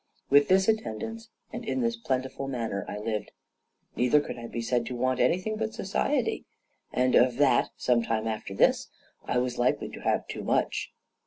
With this attendance and in this plentiful manner I lived; neither could I be said to want anything but society; and of that, some time after this, I was likely to have too much.